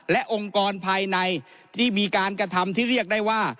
และองค์กรภายในที่มีการกระทำที่เรียกได้ว่า